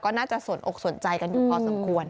ก็น่าจะสนอกสนใจกันอยู่พอสมควร